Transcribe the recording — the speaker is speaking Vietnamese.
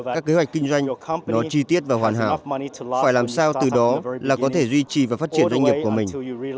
các kế hoạch kinh doanh nó chi tiết và hoàn hảo phải làm sao từ đó là có thể duy trì và phát triển doanh nghiệp của mình